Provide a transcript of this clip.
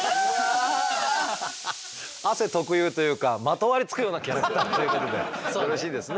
汗特有というかまとわりつくようなキャラクターということでよろしいですね？